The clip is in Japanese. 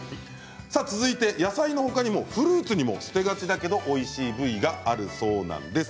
続いて野菜の他にもフルーツにも、捨てがちだけどおいしい部位があるそうなんです。